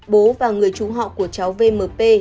bố và người chú họ của cháu vmp